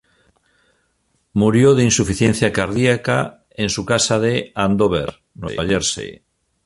Murió de insuficiencia cardíaca en su casa en Andover, Nueva Jersey.